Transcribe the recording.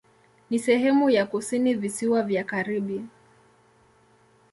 Ni sehemu ya kusini Visiwa vya Karibi.